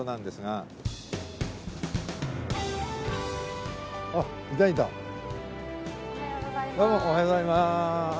どうもおはようございます。